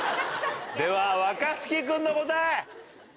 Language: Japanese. では若槻君の答え。